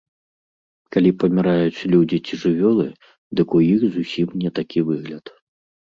Калі паміраюць людзі ці жывёлы, дык у іх зусім не такі выгляд.